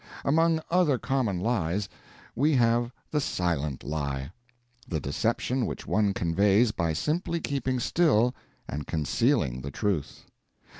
Among other common lies, we have the silent lie the deception which one conveys by simply keeping still and concealing the truth.